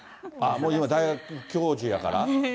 もう今、大学教授やから？